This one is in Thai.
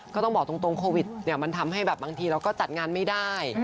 ก็ต้องบอกตรงโควิดเนี่ยมันทำให้แบบบางทีเราก็จัดงานไม่ได้